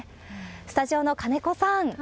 スタジオの金子さん。